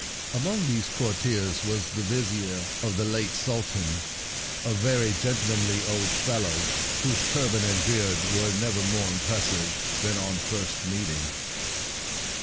Among these courtiers was the Vizier of the late Sultan, a very gentlemanly old fellow, whose turban and beard were nevermore impressive than on first meeting.